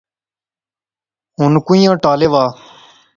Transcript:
ہن کوئیاں ٹالے وہا